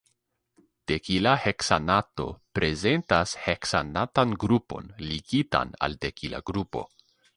Dekila heksanato prezentas heksanatan grupon ligitan al dekila grupo.